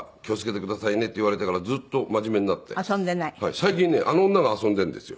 最近ねあの女が遊んでいるんですよ